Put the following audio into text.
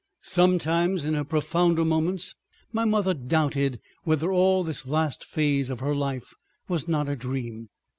Sometimes in her profounder moments my mother doubted whether all this last phase of her life was not a dream.